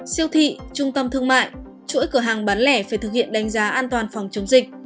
siêu thị trung tâm thương mại chuỗi cửa hàng bán lẻ phải thực hiện đánh giá an toàn phòng chống dịch